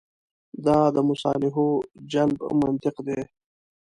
دا د مصالحو جلب منطق دی.